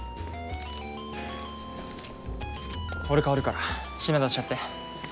俺代わるから品出しやって。